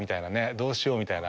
どうしよう？みたいな。